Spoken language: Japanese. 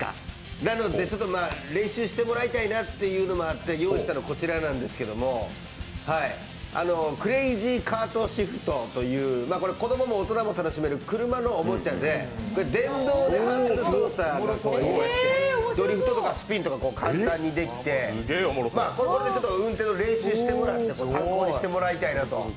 なので、練習してもらいたいなっていうのもあって用意したのがこちらなんですけどクレイジーカートシフトという子供も大人も楽しめる電動の自動車で電動でハンドル、操作ができましてドリフトとかスピンが簡単にできて、これで運転の練習をしてもらって、参考にしてもらいたいなと。